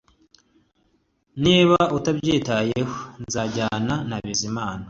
Niba utabyitayeho nzajyana na Bizimana